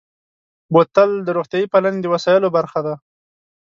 بوتل د روغتیا پالنې د وسایلو برخه ده.